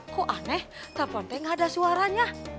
kok aneh telfon gue gak ada suaranya